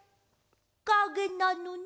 かげなのね！